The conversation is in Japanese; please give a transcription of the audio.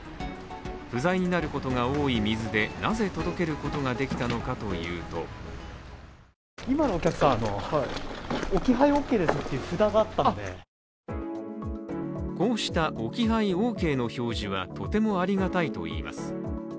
不在になることが多い水でなぜ届けることができたのかというとこうした、「置き配ＯＫ」の表示はとてもありがたいといいます。